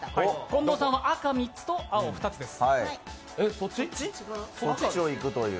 近藤さんは赤３つと青２つです。